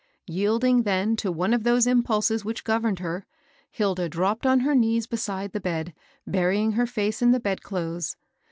Yielding then to one of those im pulses which governed her, Hilda dropped on her knees beside the bed, burying her face in the bed clothes.